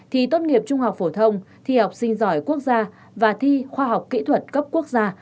thi tốt nghiệp trung học phổ thông thi học sinh giỏi quốc gia và thi khoa học kỹ thuật cấp quốc gia